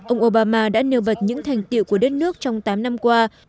ông obama đã nêu bật những thành tiệu của đất nước trong tám năm qua